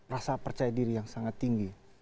rasa percaya diri yang sangat tinggi